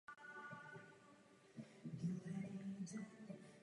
Jednotlivá zastavení je možné si prohlédnout na stránkách Památníku obětem zla.